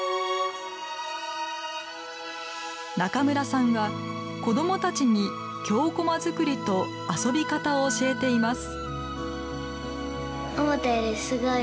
中村さんは子供たちに京こま作りと遊び方を教えています。